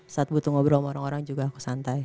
saat butuh ngobrol sama orang orang juga aku santai